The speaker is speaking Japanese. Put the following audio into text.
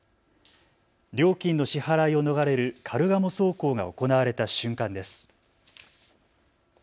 料金の支払いを逃れるカルガモ走行が行われた瞬間です。